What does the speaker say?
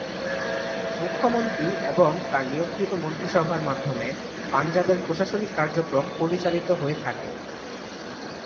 মুখ্যমন্ত্রী এবং তার নিয়োগকৃত মন্ত্রিসভার মাধ্যমে পাঞ্জাবের প্রশাসনিক কার্যক্রম পরিচালিত হয়ে থাকে।